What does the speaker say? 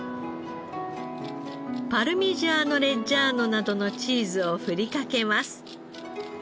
パルミジャーノ・レッジャーノなどのチーズを振りかけます。